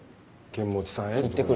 「剣持さんへ」って。